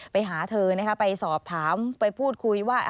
ไปหาเธอนะคะไปสอบถามไปพูดคุยว่า